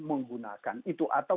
menggunakan itu atau